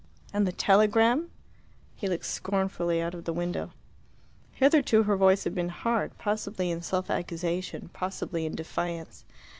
"And the telegram?" He looked scornfully out of the window. Hitherto her voice had been hard, possibly in self accusation, possibly in defiance.